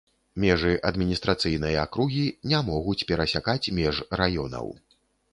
Межы адміністрацыйнай акругі не могуць перасякаць меж раёнаў.